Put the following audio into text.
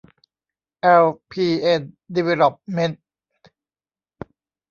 แอล พี เอ็น ดีเวลลอปเมนท์